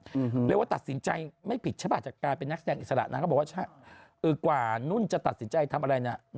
เรียกว่าตัดสินใจไม่ผิดใช่ป่ะจากการเป็นนักแสดงอิสระนางก็บอกว่าเออกว่านุ่นจะตัดสินใจทำอะไรน่ะ